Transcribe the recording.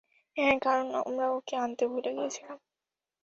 হ্যাঁ, কারণ আমরা ওকে আনতে ভুলে গিয়েছিলাম!